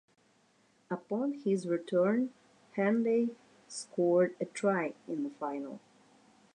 Upon his return Hanley scored a try in the final.